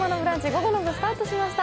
午後の部、スタートしました。